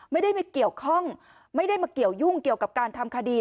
ไม่ได้มาเกี่ยวข้องไม่ได้มาเกี่ยวยุ่งเกี่ยวกับการทำคดี